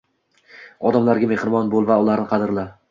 Odamlarga mehribon bo‘l va ularni qadrla.